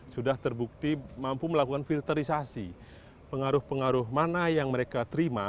sudah terbukti mampu melakukan filterisasi pengaruh pengaruh mana yang mereka terima